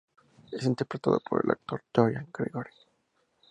Es interpretado por el actor Dorian Gregory.